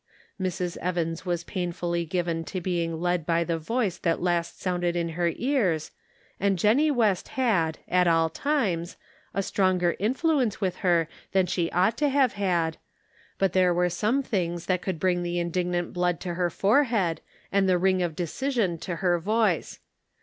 • Mrs. Evans was painfully given to being led by the voice that last sounded in her ears, and Jennie West had, at all times, a stronger influence with her than she ought to have had, but there were some things that could bring the indignant blood to her forehead, and the ring of decision to her voice.